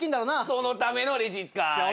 そのためのレジ使い。